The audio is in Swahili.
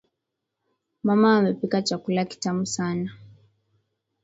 Mama amepika chakula kitamu sana.